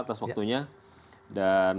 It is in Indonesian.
atas waktunya dan